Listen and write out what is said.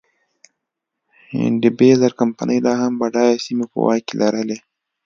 ډي بیرز کمپنۍ لا هم بډایه سیمې په واک کې لرلې.